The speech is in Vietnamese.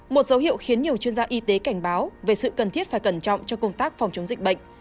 một dấu hiệu khiến nhiều chuyên gia y tế cảnh báo về sự cần thiết phải cẩn trọng cho công tác phòng chống dịch bệnh